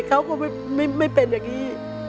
เขาก็ไม่เป็นอย่างนี้